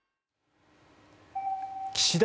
岸田